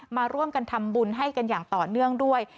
มาร่วมกันทำบุญให้กันอย่างต่อเนื่องด้วย